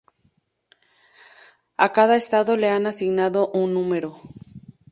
A cada estado le han asignado un número.